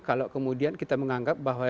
kalau kemudian kita menganggap bahwa